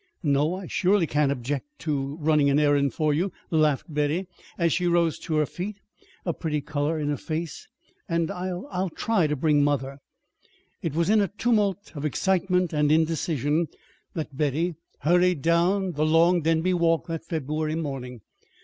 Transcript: "No, I surely can't object to to running an errand for you," laughed Betty, as she rose to her feet, a pretty color in her face. "And I I'll try to bring mother." It was in a tumult of excitement and indecision that Betty hurried down the long Denby walk that February morning.